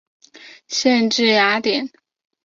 县治雅典。